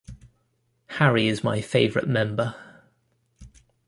Harry is my favorite member.